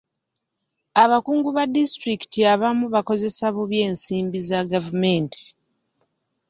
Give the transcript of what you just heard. Abakungu ba disitulikiti abamu bakozesa bubi ensimbi za gavumenti.